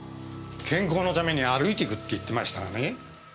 健康のために歩いていくって言ってましたがね。